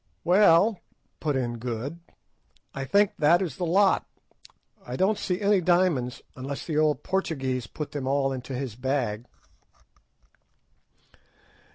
"Well," put in Good, "I think that is the lot; I don't see any diamonds, unless the old Portuguese put them all into his bag."